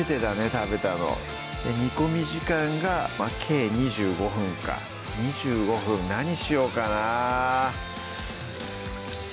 食べたの煮込み時間が計２５分か２５分何しようかな・・